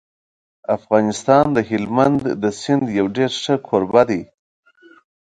افغانستان د هلمند د سیند یو ډېر ښه کوربه دی.